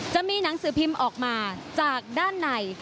จะมีหนังสือพิมพ์ออกมาจากด้านใน